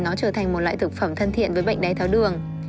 nó trở thành một loại thực phẩm thân thiện với bệnh đái tháo đường